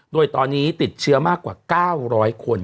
โดยตอนนี้ติดเชื้อมากกว่า๙๐๐คน